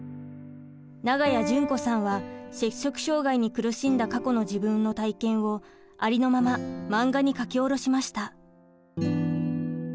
永谷順子さんは摂食障害に苦しんだ過去の自分の体験をありのまま漫画に書き下ろしました。